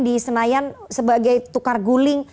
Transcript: di senayan sebagai tukar guling